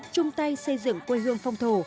chung tay xây dựng quê hương phong thổ